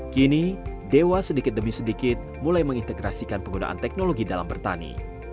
kini dewa sedikit demi sedikit mulai mengintegrasikan penggunaan teknologi dalam bertani